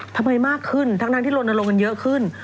ทำไมมากขึ้นทั้งนั้นที่โรนโอนโลงกันเยอะขึ้น